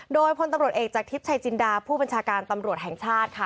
โดยพลตำรวจเอกจากทิพย์ชัยจินดาผู้บัญชาการตำรวจแห่งชาติค่ะ